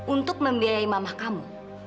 untuk membiayai mama kamu